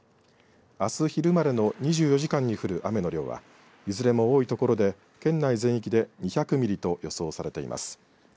あす昼までの２４時間に降る雨の量はいずれも多いところで県内全域で２００ミリと予想されています。